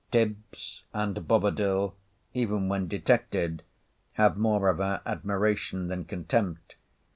Tibbs, and Bobadil, even when detected, have more of our admiration than contempt.